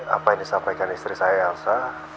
apa yang disampaikan istri saya elsa